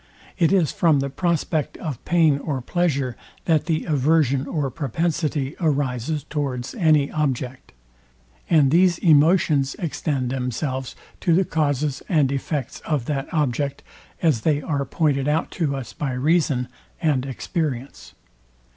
It is from the prospect of pain or pleasure that the aversion or propensity arises towards any object: And these emotions extend themselves to the causes and effects of that object, as they are pointed out to us by reason and experience.